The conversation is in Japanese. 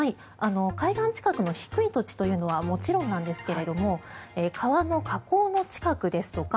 海岸近くの低い土地というのはもちろんなんですが川の河口の近くですとか